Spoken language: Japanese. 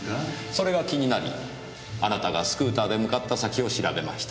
それが気になりあなたがスクーターで向かった先を調べました。